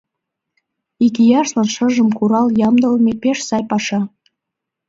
Икияшлан шыжым курал ямдылыме — пеш сай паша.